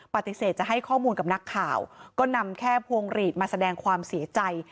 ปฏิเสธจะให้ข้อมูลกับนักข่าวก็นำแค่พวงหลีดมาแสดงความเสียใจ